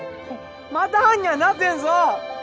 また般若になってんぞ！